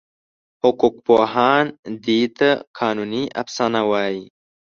حقوقپوهان دې ته قانوني افسانه وایي.